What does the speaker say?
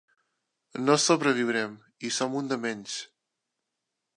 No sobreviurem, i som un de menys!